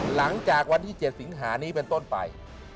หลังจากวันที่๗สิงหานี้เป็นต้นไป